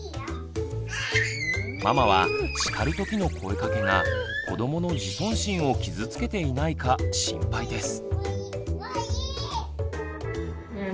ママは叱る時の声かけが子どもの自尊心を傷つけていないか心配です。